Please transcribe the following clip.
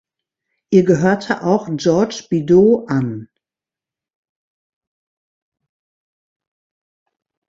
Ihr gehörte auch Georges Bidault an.